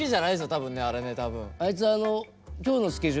多分ねあれね多分。